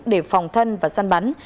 để phòng thân và săn bắn